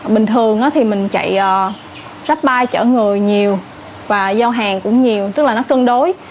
bình thường thì mình chạy rắp bay chở người nhiều và giao hàng cũng nhiều tức là nó cân đối